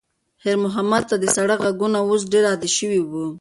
خیر محمد ته د سړک غږونه اوس ډېر عادي شوي وو.